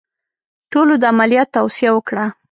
ټولو د عملیات توصیه وکړه.